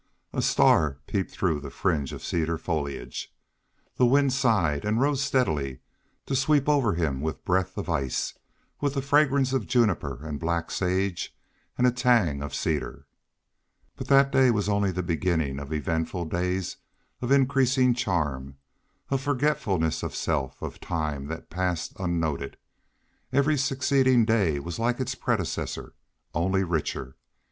A star peeped through the fringe of cedar foliage. The wind sighed, and rose steadily, to sweep over him with breath of ice, with the fragrance of juniper and black sage and a tang of cedar. But that day was only the beginning of eventful days, of increasing charm, of forgetfulness of self, of time that passed unnoted. Every succeeding day was like its predecessor, only richer.